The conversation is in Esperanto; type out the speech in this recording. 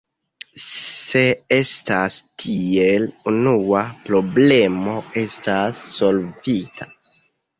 Se estas tiel, unua problemo estas solvita.